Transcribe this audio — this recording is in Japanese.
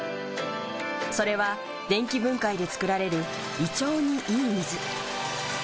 それは電気分解で作られる胃腸にいい水。